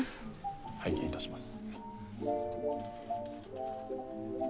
拝見いたします。